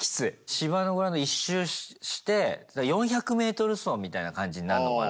芝のグラウンド１周して４００ｍ走みたいな感じになるのかな。